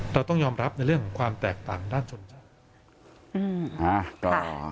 เราต้องยอมรับในเรื่องของความแตกต่างด้านชนชาติ